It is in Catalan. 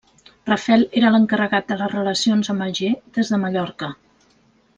Rafel era l'encarregat de les relacions amb Alger des de Mallorca.